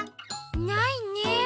ないねえ。